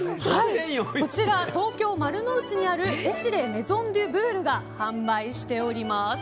こちら、東京・丸の内にあるエシレ・メゾンデュブールが販売しております。